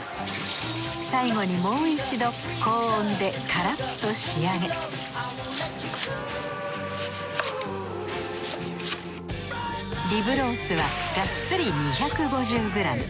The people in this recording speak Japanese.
最後にもう一度高温でカラッと仕上げリブロースはがっつり２５０ｇ。